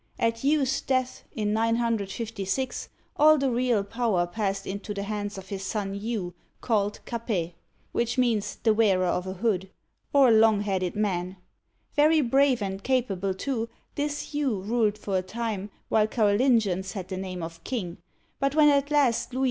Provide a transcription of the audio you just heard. At Hugh's death, in 956, all the real power passed into the hands of his son Hugh, called Capet (ca'pet, or ca pe'), which means the "wearer of a hood," or a "long headed " man. Very brave and capable, too, this Hugh ruled for a time, while Carolingians had the name of king ; but when at last Louis V.